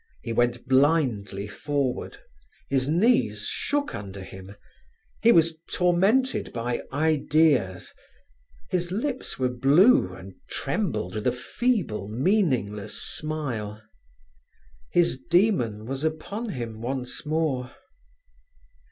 He went blindly forward; his knees shook under him; he was tormented by "ideas"; his lips were blue, and trembled with a feeble, meaningless smile. His demon was upon him once more.